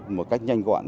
một cách nhanh gọn